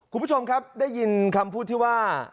คุณผู้ชมครับได้ยินคำพูดที่ว่า